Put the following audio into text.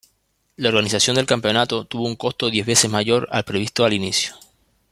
La organización del campeonato tuvo un costo diez veces mayor previsto al inicio.